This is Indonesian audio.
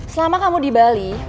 selama kamu di bali